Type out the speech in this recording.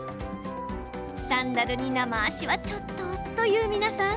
サンダルにナマ足はちょっとという皆さん